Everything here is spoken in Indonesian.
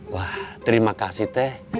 wah terima kasih teh